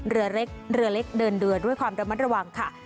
เรือเล็กเรือเล็กเดินเรือด้วยความระมัดระวังค่ะ